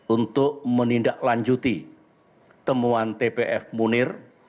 untuk menindaklanjuti temuan tpf munir